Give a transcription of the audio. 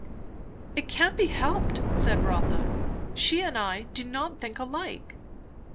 "It can't be helped," said Rotha. "She and I do not think alike."